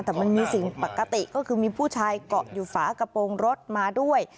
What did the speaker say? แต่มันมีสิ่งปกติก็คือมีผู้ชายเกาะอยู่ฝากระโปรงรถมาด้วย